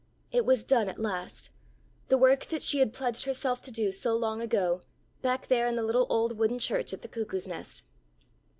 It was done at last, the work that she had pledged herself to do so long ago, back there in the little old wooden church at the Cuckoo's Nest.